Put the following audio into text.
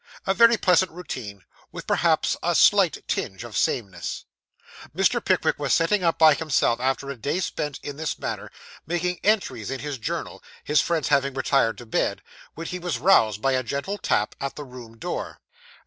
A very pleasant routine, with perhaps a slight tinge of sameness. Mr. Pickwick was sitting up by himself, after a day spent in this manner, making entries in his journal, his friends having retired to bed, when he was roused by a gentle tap at the room door.